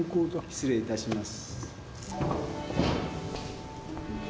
失礼いたします。